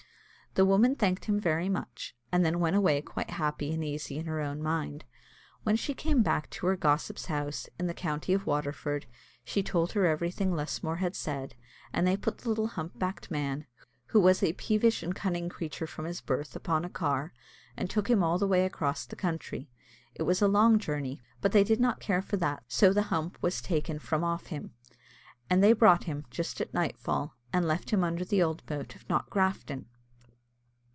The woman thanked him very much, and then went away quite happy and easy in her own mind. When she came back to her gossip's house, in the county of Waterford, she told her everything that Lusmore had said, and they put the little hump backed man, who was a peevish and cunning creature from his birth, upon a car, and took him all the way across the country. It was a long journey, but they did not care for that, so the hump was taken from off him; and they brought him, just at nightfall, and left him under the old moat of Knockgrafton.